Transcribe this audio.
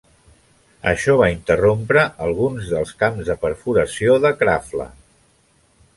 Això va interrompre alguns dels camps de perforació de Krafla.